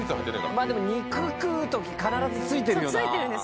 でも肉食うとき必ず付いてるよな。